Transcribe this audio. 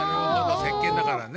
せっけんだからね。